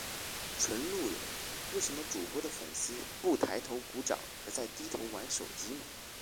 纯路人，为什么主播的粉丝不抬头鼓掌而是在低头玩手机呢？